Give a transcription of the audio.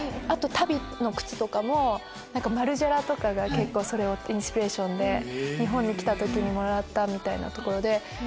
足袋の靴とかもマルジェラとかがそれをインスピレーションで「日本に来た時にもらった」みたいなところで。